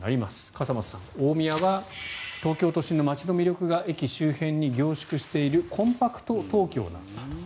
笠松さん、大宮は東京都心の街の魅力が駅周辺に凝縮しているコンパクト東京なんだと。